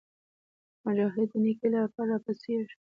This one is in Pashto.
مجاهد د نیکۍ لپاره راپاڅېږي.